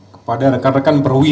terus terang dengan hati yang berat